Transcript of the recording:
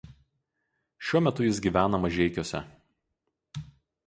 Šiuo metu jis gyvena Mažeikiuose.